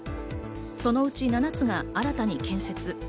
そのうち７つが新たに建設。